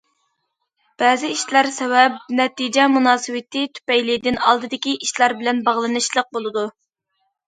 بەزى ئىشلار سەۋەب- نەتىجە مۇناسىۋىتى تۈپەيلىدىن ئالدىدىكى ئىشلار بىلەن باغلىنىشلىق بولىدۇ.